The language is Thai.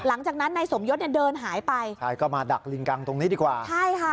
หลังจากนั้นนายสมยศเนี่ยเดินหายไปใช่ก็มาดักลิงกังตรงนี้ดีกว่าใช่ค่ะ